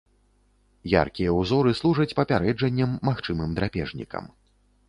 Яркія ўзоры служаць папярэджаннем магчымым драпежнікам.